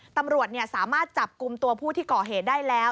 ตำรวจสามารถจับกลุ่มตัวผู้ที่ก่อเหตุได้แล้ว